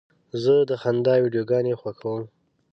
زه د خندا ویډیوګانې خوښوم.